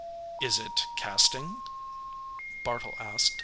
"Is it 'casting'?" Bartle asked.